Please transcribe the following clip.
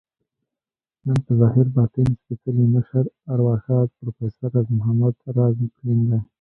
نن په ظاهر ، باطن سپیڅلي مشر، ارواښاد پروفیسر راز محمد راز تلين دی